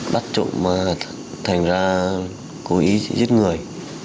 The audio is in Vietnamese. bắt trụ mà thành ra cố ý chết người